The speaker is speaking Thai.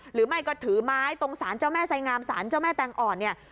หรือไม่ก็ถือไม้ตรงสารเจ้าแม่ไสงามสารเจ้าแม่แตงอ่อนเนี่ย